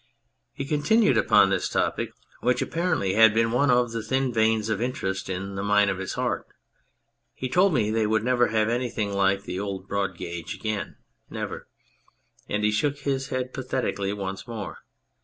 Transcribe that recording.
He continued upon this topic, which apparently had been one of the thin veins of interest in the mine of his heart. He told me they would never have anything like the old broad gauge again never; and he shook his head pathetically once more.